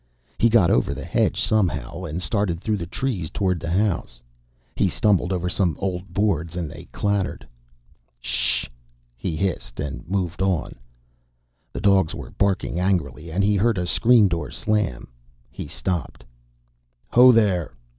He got over the hedge somehow, and started through the trees toward the house. He stumbled over some old boards, and they clattered. "Shhh!" he hissed, and moved on. The dogs were barking angrily, and he heard a screen door slam. He stopped. "Ho there!"